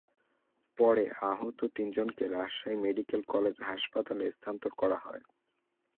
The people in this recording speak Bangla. পরে গুরুতর আহত তিনজনকে রাজশাহী মেডিকেল কলেজ হাসপাতালে স্থানান্তর করা হয়।